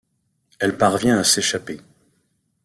Elle parvient à s'échapper.